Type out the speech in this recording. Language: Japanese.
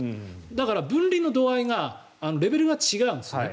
だから、分離の度合い、レベルが違うんですね。